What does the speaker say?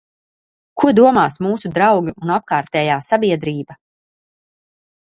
Ko domās mūsu draugi un apkārtējā sabiedrība?